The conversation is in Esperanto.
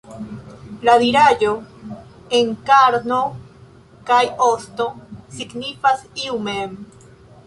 La diraĵo "en karno kaj ostoj" signifas "iu mem".